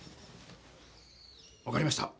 分かりました。